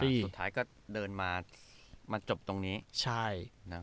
สุดท้ายก็เดินมามาจบตรงนี้ใช่